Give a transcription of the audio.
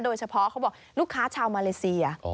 โดยเฉพาะเขาบอกลูกค้าชาวมาเลเซีย